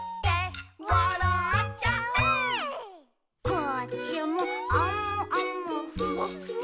「こっちもあむあむふわっふわ」